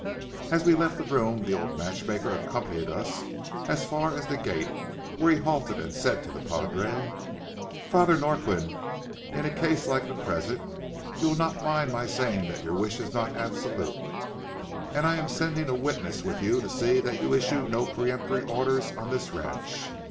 As we left the room, the old matchmaker accompanied us as far as the gate, where he halted and said to the padre:— "Father Norquin, in a case like the present, you will not mind my saying that your wish is not absolute, and I am sending a witness with you to see that you issue no peremptory orders on this ranch.